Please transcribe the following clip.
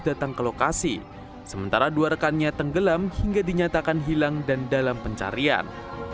datang ke lokasi sementara dua rekannya tenggelam hingga dinyatakan hilang dan dalam pencarian